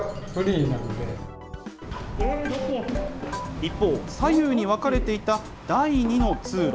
一方、左右に分かれていた第２の通路。